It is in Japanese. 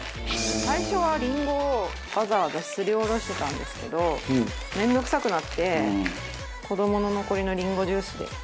最初はりんごをわざわざすり下ろしてたんですけど面倒くさくなって子どもの残りのりんごジュースで。